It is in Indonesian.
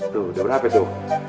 tuh udah berapa tuh